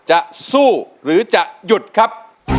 จะสู้หรือจะหยุดครับ